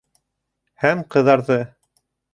Һәм ҡыҙарҙы.